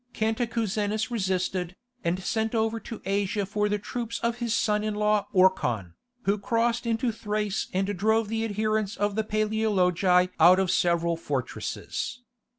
Cantacuzenus resisted, and sent over to Asia for the troops of his son in law Orkhan, who crossed into Thrace and drove the adherents of the Paleologi out of several fortresses.